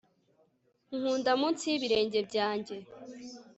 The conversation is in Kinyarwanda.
Nkunda munsi yibirenge byanjye